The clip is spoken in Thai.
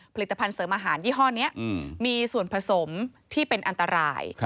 ผลิตภัณฑ์เสริมอาหารยี่ห้อนี้มีส่วนผสมที่เป็นอันตราย